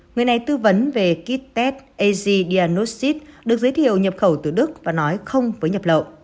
người này tư vấn về kết test az dianoxid được giới thiệu nhập cầu từ đức và nói không với nhập lộ